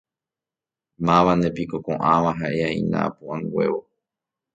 Mávanepiko ko'ãva ha'e'aína apu'ãnguévo.